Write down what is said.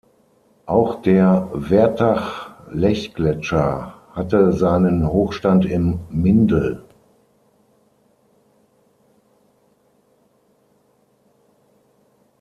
Auch der Wertach-Lechgletscher hatte seinen Hochstand im Mindel.